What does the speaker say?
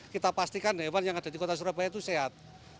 kita pastikan hewan yang ada di kota surabaya itu sehat